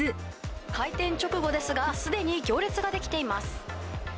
開店直後ですが、すでに行列が出来ています。